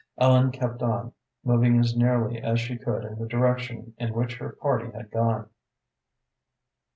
Ellen kept on, moving as nearly as she could in the direction in which her party had gone.